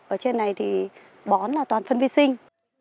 ở trên này thì bón là toàn phân vi sinh